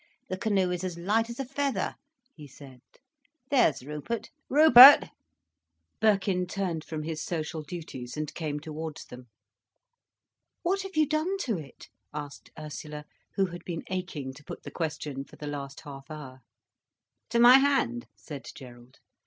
The canoe is as light as a feather," he said. "There's Rupert!—Rupert!" Birkin turned from his social duties and came towards them. "What have you done to it?" asked Ursula, who had been aching to put the question for the last half hour. "To my hand?" said Gerald.